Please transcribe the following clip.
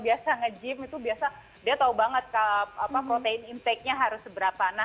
biasa ngejim itu biasa dia tahu banget kak apa protein intakenya harus seberapa nah